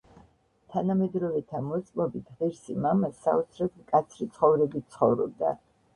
თანამედროვეთა მოწმობით, ღირსი მამა საოცრად მკაცრი ცხოვრებით ცხოვრობდა.